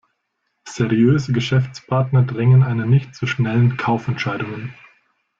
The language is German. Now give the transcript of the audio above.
Seriöse Geschäftspartner drängen einen nicht zu schnellen Kaufentscheidungen.